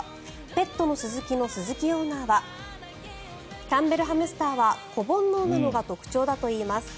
ペットのすずきの鈴木オーナーはキャンベルハムスターは子煩悩なのが特徴だといいます。